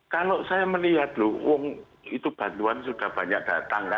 kalau saya melihat loh itu bantuan sudah banyak datang kan